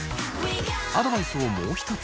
アドバイスをもう一つ。